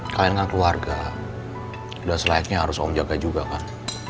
kalian kan keluarga sudah selayaknya harus om jaga juga kan